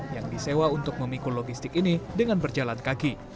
yang disewa untuk memikul logistik ini dengan berjalan kaki